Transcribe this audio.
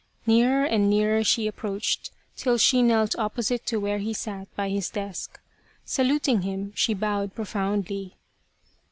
Nearer and nearer she approached till she knelt opposite to where he sat by his desk. Saluting him she bowed profoundly.